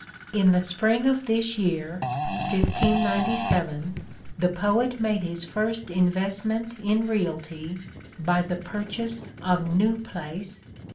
" In the spring of this year (1597) the poet made his first investment in reality by the purchase of New Place